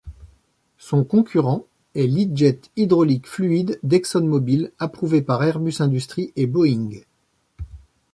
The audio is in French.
Son concurrent est l'HyJet Hydraulic Fluid d'ExxonMobil approuvé par Airbus Industrie et Boeing.